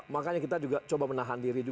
makanya kita juga coba menahan diri